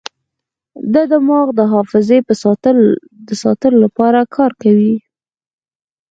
دماغ د حافظې د ساتلو لپاره کار کوي.